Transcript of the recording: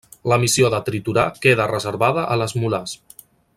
La missió de triturar queda reservada a les molars.